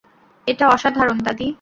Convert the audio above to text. এটা অসাধারণ, দাদি।